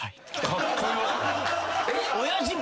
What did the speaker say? カッコよ。